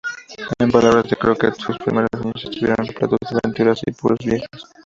En palabras de Crockett, sus primeros años estuvieron repletos de aventuras, apuros y viajes.